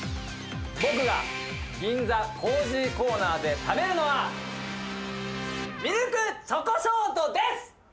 僕が銀座コージーコーナーで食べるのはミルクチョコショートです！